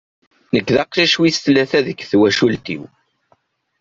Nek d aqcic wis tlata deg twacult-iw.